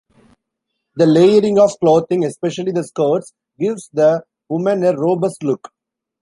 The layering of clothing, especially the skirts, gives the women a robust look.